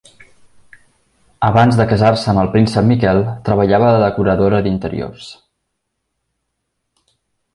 Abans de casar-se amb el príncep Miquel, treballava de decoradora d'interiors.